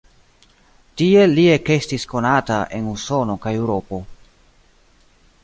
Tiel li ekestis konata en Usono kaj Eŭropo.